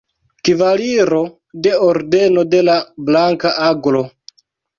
Kavaliro de Ordeno de la Blanka Aglo.